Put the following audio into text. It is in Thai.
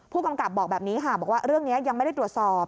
ผู้กำกับบอกแบบนี้ค่ะบอกว่าเรื่องนี้ยังไม่ได้ตรวจสอบ